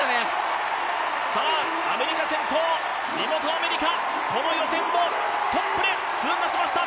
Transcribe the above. アメリカ地元アメリカ、この予選をトップで通過しました！